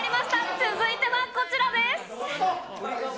続いてはこちらです。